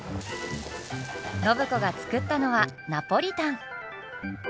暢子が作ったのはナポリタン！